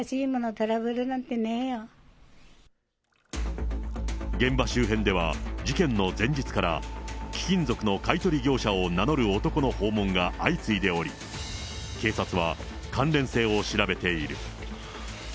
トラブルなんて現場周辺では、事件の前日から、貴金属の買い取り業者を名乗る男の訪問が相次いでおり、警察は関連性を調べている。